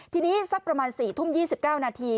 ทีนี้สักประมาณ๔ทุ่ม๒๙นาที